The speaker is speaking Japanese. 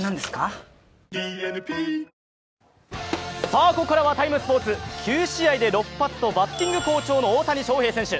さあ、ここからは「ＴＩＭＥ，スポーツ」９試合で６発とバッティング好調の大谷選手。